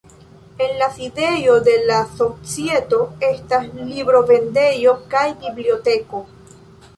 En la sidejo de la societo estas librovendejo kaj biblioteko.